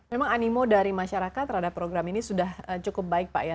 memang animo dari masyarakat terhadap program ini sudah cukup baik pak ya